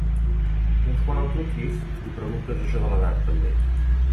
Doncs quan el truquis li preguntes això de l'edat, també.